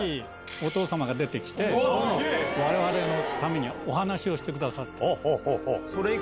お父様が出てきてわれわれにお話をしてくださった。